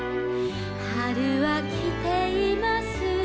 「はるはきています」